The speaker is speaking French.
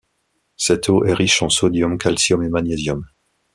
Cette eau est riche en sodium, calcium et magnésium.